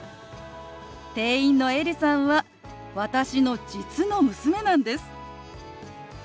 店員のエリさんは私の実の娘なんです。